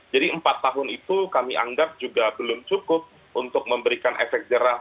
jadi empat tahun itu kami anggap juga belum cukup untuk memberikan efek jerah